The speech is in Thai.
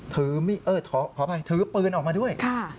ถือปืนออกมาด้วย